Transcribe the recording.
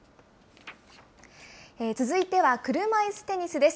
続いては車いすテニスです。